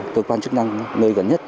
cơ quan chức năng nơi gần nhất